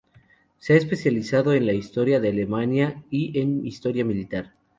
Se ha especializado en la historia de Alemania y en historia militar.